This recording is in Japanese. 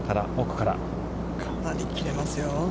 かなり切れますよ。